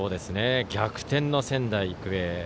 逆転の仙台育英。